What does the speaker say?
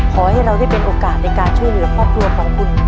ขอให้เราได้เป็นโอกาสในการช่วยเหลือครอบครัวของคุณ